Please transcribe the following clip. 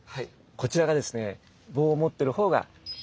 こちらがですね棒を持ってる方が源頼朝。